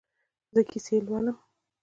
زه کیسې لولم